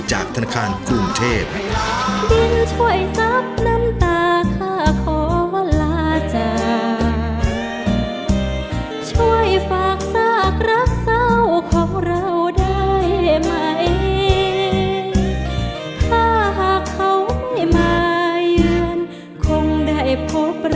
จากธนาคารกรุงเทพฯ